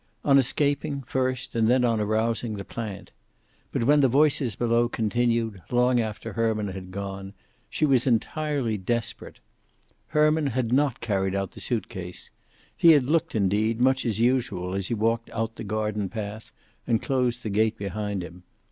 On escaping, first, and then on arousing the plant. But when the voices below continued, long after Herman had gone, she was entirely desperate. Herman had not carried out the suit case. He had looked, indeed, much as usual as he walked out the garden path and closed the gate behind him.